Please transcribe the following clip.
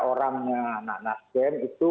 orangnya nasden itu